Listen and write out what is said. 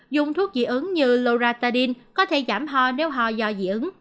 dùng thuốc dị ứng như loratadine có thể giảm ho nếu ho do dị ứng